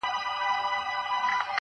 o په موږ کي بند دی.